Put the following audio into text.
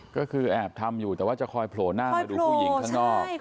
ก็คือแอบทำอยู่แต่ว่าจะคอยโผล่หน้ามาดูผู้หญิงข้างนอก